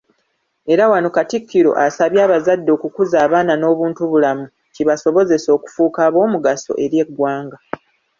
Era wano Katikkiro asabye abazadde okukuza abaana n'obuntubulamu kibasobozese okufuuka abomugaso eri eggwanga.